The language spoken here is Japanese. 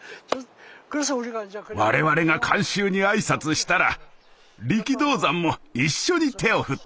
我々が観衆に挨拶したら力道山も一緒に手を振ってくれました。